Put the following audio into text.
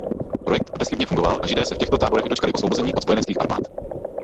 Projekt bezchybně fungoval a Židé se v těchto táborech dočkali osvobození od spojeneckých armád.